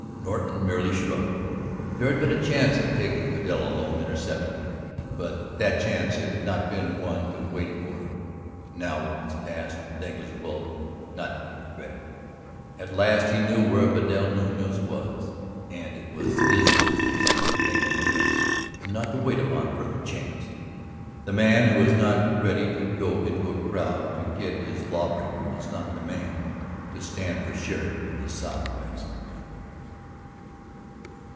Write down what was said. Norton merely shrugged; there had been a chance of taking Vidal alone, intercepting him. But that chance had not been one to wait for; now it was past, negligible, not to be regretted. At last he knew where Vidal Nuñez was and it was his business to make an arrest and not to wait upon further chance. The man who is not ready to go into a crowd to get his law breaker is not the man to stand for sheriff in the southwest country.